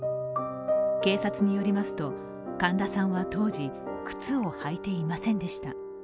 警察によりますと、神田さんは当時靴を履いていませんでした。